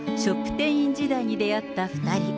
店員時代に出会った２人。